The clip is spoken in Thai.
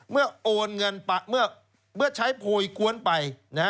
เมื่อโอนเงินเมื่อใช้โผยกวนไป